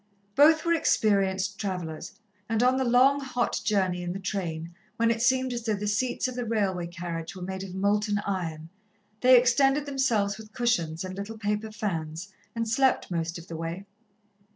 Both were experienced travellers, and on the long, hot journey in the train, when it seemed as though the seats of the railway carriage were made of molten iron, they extended themselves with cushions and little paper fans, and slept most of the way.